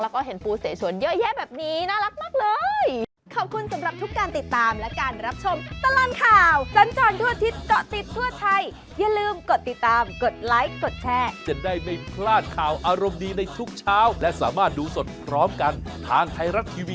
แล้วก็เห็นปูเสชวนเยอะแยะแบบนี้น่ารักมากเลย